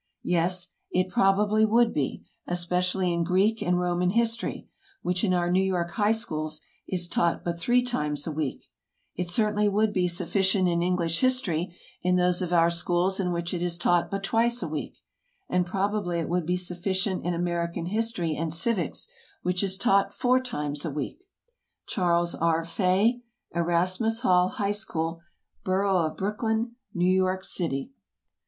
Yes, it probably would be; especially in Greek and Roman history, which in our New York high schools is taught but three times a week; it certainly would be sufficient in English history in those of our schools in which it is taught but twice a week; and probably it would be sufficient in American history and civics, which is taught four times a week! CHARLES R. FAY, Erasmus Hall High School, Borough of Brooklyn, New York City.